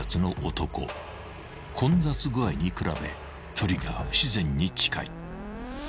［混雑具合に比べ距離が不自然に近い］